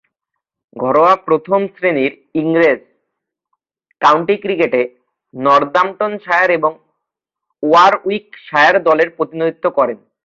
ঘরোয়া প্রথম-শ্রেণীর ইংরেজ কাউন্টি ক্রিকেটে নর্দাম্পটনশায়ার ও ওয়ারউইকশায়ার দলের প্রতিনিধিত্ব করেন।